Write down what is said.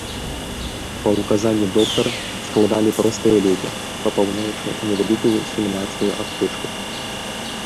Па ўказанні доктара, складалі простыя лекі, папаўняючы невялікую семінарскую аптэчку.